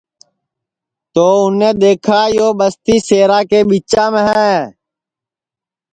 تو اُنیں دؔیکھا یو بستی سیرا کے ٻچام ہے